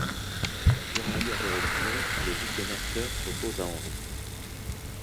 Durant la guerre de religion, le duc de Mercœur s'oppose à Henri.